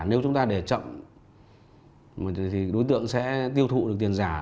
nếu chúng ta để chậm thì đối tượng sẽ tiêu thụ được tiền giả